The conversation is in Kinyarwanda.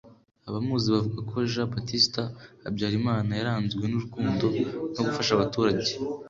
abamuzi bavuga ko jean baptiste habyarimana yaranzwe nu rukundo ,no gufasha abaturage